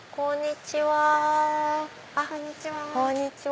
こんにちは。